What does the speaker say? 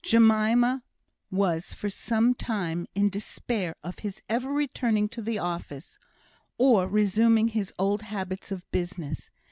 Jemima was for some time in despair of his ever returning to the office, or resuming his old habits of business.